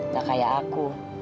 nah kayak aku